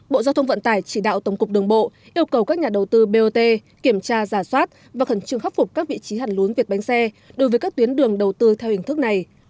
bộ giao thông vận tải chỉ đạo tổng cục đường bộ yêu cầu các nhà đầu tư bot kiểm tra giả soát và khẩn trương khắc phục các vị trí hàn lún vệt bánh xe đối với các tuyến đường đầu tư theo hình thức này